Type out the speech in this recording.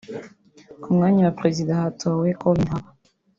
Ku mwanya wa Perezida hatowe Collin Haba